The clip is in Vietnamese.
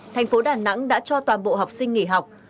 thành phố đà nẵng đã cho toàn bộ học sinh nghỉ học